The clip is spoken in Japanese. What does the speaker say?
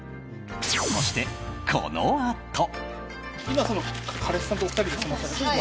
そして、このあと。